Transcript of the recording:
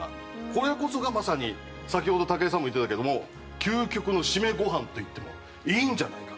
これこそがまさに先ほど武井さんも言ってたけども究極のシメご飯と言ってもいいんじゃないかなと。